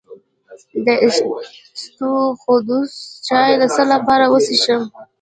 د اسطوخودوس چای د څه لپاره وڅښم؟